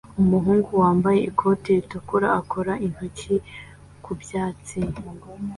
Umuhungu wambaye ikoti ritukura akora intoki ku byatsi